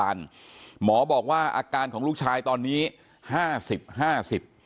อายุ๑๐ปีนะฮะเขาบอกว่าเขาก็เห็นถูกยิงนะครับ